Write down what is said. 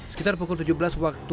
sekitar pukul tujuh belas waktu